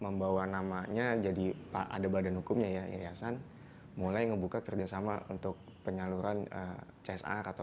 membawa namanya jadi pak ada badan hukumnya yayasan mulai ngebuka kerjasama untuk penyaluran csr atau